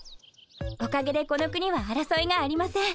おかげでこの国はあらそいがありません。